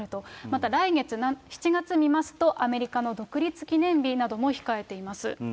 また来月、７月を見ますと、アメリカの独立記念日なども控えています。